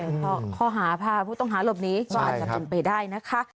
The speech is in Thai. ข้อหาพาผู้ต้องหาหลบหนีก็อาจจะเป็นไปได้นะคะ